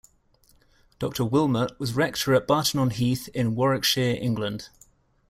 Doctor Wilmot was rector at Barton-on-Heath in Warwickshire, England.